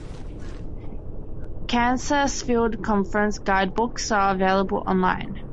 Kansas Field Conference guidebooks are available online.